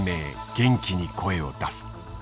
元気に声を出す」。